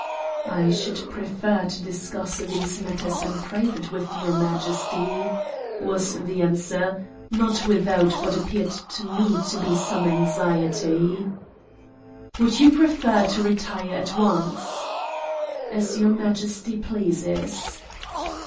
"I should prefer to discuss these matters in private with your Majesty," was the answer, not without what appeared to me to be some anxiety. "Would you prefer to retire at once?" "As your Majesty pleases."